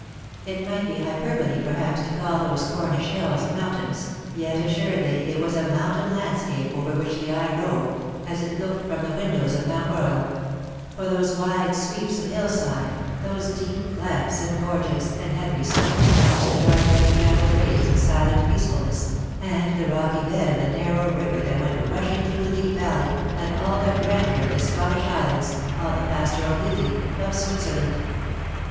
It might be hyperbole perhaps to call those Cornish hills mountains, yet assuredly it was a mountain land scape over which the eye roved as it looked from 14 THE DAYS THAT ARE NO MORE. the windows of Mount Royal ; for those wide sweeps of hill side^ those deep clefts and gorges, and heathery slopes, on which the dark red cattle grazed in silent peacefulness, and the rocky bed of the narrow river that went rushing through the deep valley, had all the grandeur of the Scottish Highlands, all the pastoral beauty of Switzerland.